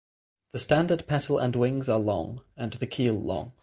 The standard petal and wings are long and the keel long.